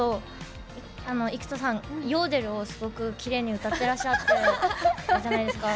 生田さん、ヨーデルをすごくきれいに歌ってらっしゃってたじゃないですか。